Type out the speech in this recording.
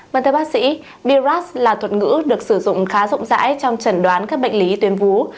vâng thưa bác sĩ biras là thuật ngữ được sử dụng khá rộng rãi trong trần đoán các bệnh lý tuyến vú